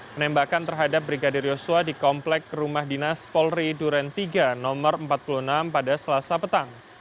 penembakan terhadap brigadir yosua di komplek rumah dinas polri duren tiga nomor empat puluh enam pada selasa petang